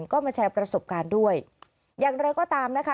ก็มาแชร์ประสบการณ์ด้วยอย่างไรก็ตามนะคะ